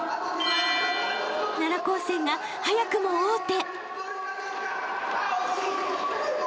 ［奈良高専が早くも王手］